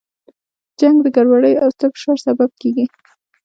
جنګ د ګډوډۍ او ستر فشار سبب کیږي.